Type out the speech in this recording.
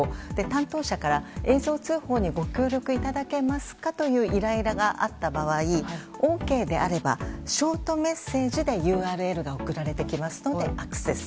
担当者から映像通報にご協力いただけますかという依頼があった場合、ＯＫであればショートメッセージでＵＲＬが送られてきますのでアクセス。